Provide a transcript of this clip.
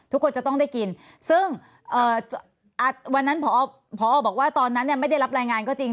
ทุกคนจะต้องได้กินซึ่งวันนั้นพอบอกว่าตอนนั้นไม่ได้รับรายงานก็จริง